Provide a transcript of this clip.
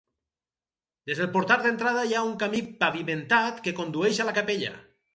Des del portal d'entrada hi ha un camí pavimentat que condueix a la capella.